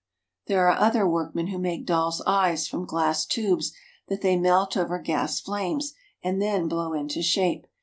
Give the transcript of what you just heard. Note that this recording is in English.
There are other workmen who make dolls' eyes from glass tubes that they melt over gas flames and then blow into shape.